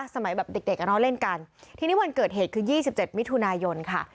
สมัยแบบเด็กกันเอาเล่นกันทีนี้วันเกิดเหตุคือยี่สิบเจ็ดมิถุนายนฯค่ะ